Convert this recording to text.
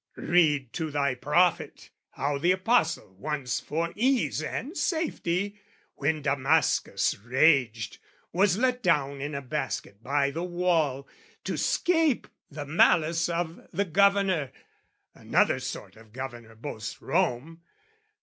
Read to thy profit how the Apostle once For ease and safety, when Damascus raged, Was let down in a basket by the wall, To 'scape the malice of the governor (Another sort of Governor boasts Rome!)